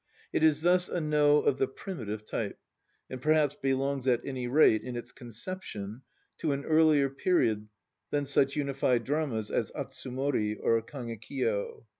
It is thus a No of the primitive type, and perhaps belongs, at any rate in its conception, to an earlier period than such unified dramas as Atsumori or Kagekiyo.